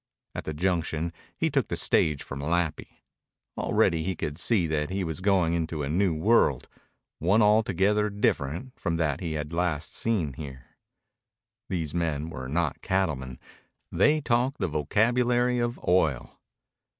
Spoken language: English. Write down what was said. At the junction he took the stage for Malapi. Already he could see that he was going into a new world, one altogether different from that he had last seen here. These men were not cattlemen. They talked the vocabulary of oil.